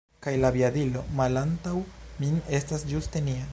Kaj la aviadilo malantaŭ min estas ĝuste nia